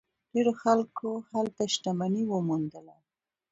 ډیرو خلکو هلته شتمني وموندله.